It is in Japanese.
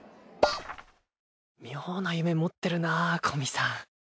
只野：妙な夢持ってるなぁ古見さん